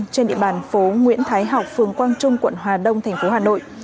trên địa bàn phố nguyễn thái học phường quang trung quận hòa đông tp hà nội